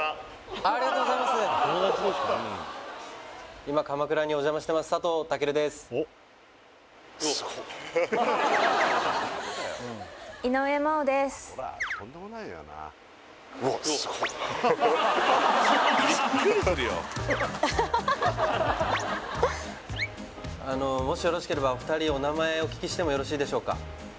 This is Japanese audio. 今あのもしよろしければお二人お名前をお聞きしてもよろしいでしょうか？